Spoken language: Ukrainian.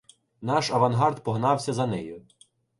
Наш авангард погнався за нею.